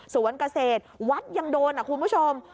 สวนเกษตรวัดยังโดนนะคุณผู้ชม